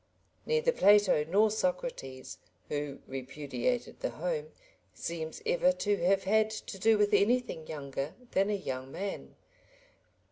Neither Plato nor Socrates, who repudiated the home, seems ever to have had to do with anything younger than a young man.